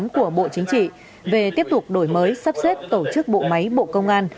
của bộ chính trị về tiếp tục đổi mới sắp xếp tổ chức bộ máy bộ công an